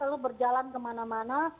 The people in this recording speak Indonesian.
lalu berjalan kemana mana